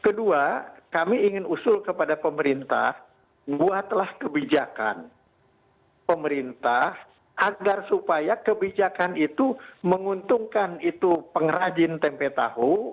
kedua kami ingin usul kepada pemerintah buatlah kebijakan pemerintah agar supaya kebijakan itu menguntungkan itu pengrajin tempe tahu